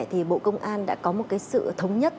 thì bộ công an đã có một cái sự thống nhất